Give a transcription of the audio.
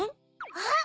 あっ！